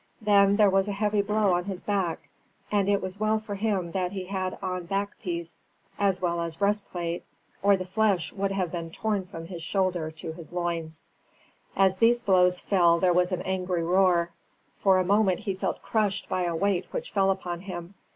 Then there was a heavy blow on his back; and it was well for him that he had on backpiece as well as breastplate, or the flesh would have been torn from his shoulder to his loins. As the blow fell there was an angry roar. For a moment he felt crushed by a weight which fell upon him.